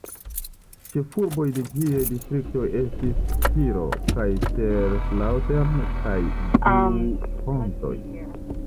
Ĉefurboj de ĝiaj distriktoj estis Spiro, Kaiserslautern kaj Du-Pontoj.